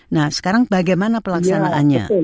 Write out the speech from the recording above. nah sekarang bagaimana pelaksanaannya